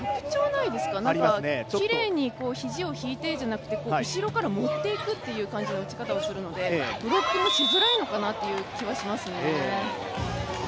なんかきれいに肘を引いてじゃなくて後ろから持っていくっていう感じの打ち方をするのでブロックがしづらいのかなという気がしますね。